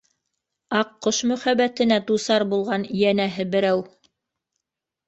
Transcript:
Аҡҡош мөхәббәтенә дусар булған йәнәһе берәү!